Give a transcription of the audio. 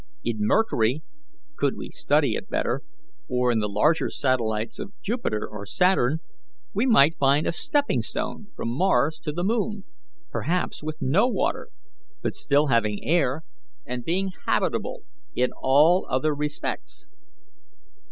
In Mercury, could we study it better, or in the larger satellites of Jupiter or Saturn, we might find a stepping stone from Mars to the moon, perhaps with no water, but still having air, and being habitable in all other respects.